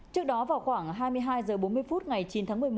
trước đó vào khoảng hai mươi hai h bốn mươi phút ngày chín tháng một mươi một